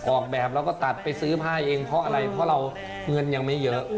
ออกแบบแล้วก็ตัดไปซื้อผ้าเองเพราะอะไรเพราะเราเงินยังไม่เยอะ